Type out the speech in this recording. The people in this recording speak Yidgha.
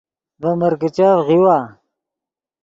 ڤے مرکیچف غیؤوا